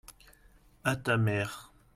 à ta mère.